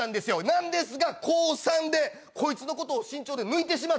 なんですが高３でこいつのことを身長で抜いてしまったんですよ。